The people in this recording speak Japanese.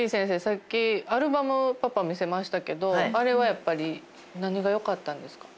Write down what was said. さっきアルバムをパパ見せましたけどあれはやっぱり何がよかったんですか？